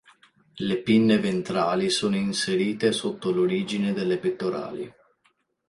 Le pinne ventrali sono inserite sotto l'origine delle pettorali.